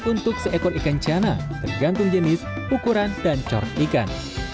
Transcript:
untuk seekor ikan ciana tergantung jenis ukuran dan corak ikan